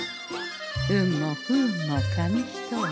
運も不運も紙一重。